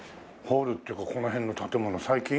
ホールっていうかこの辺の建物最近？